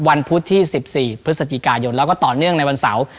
พุธที่๑๔พฤศจิกายนแล้วก็ต่อเนื่องในวันเสาร์